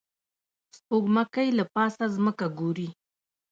سپوږمکۍ له پاسه ځمکه ګوري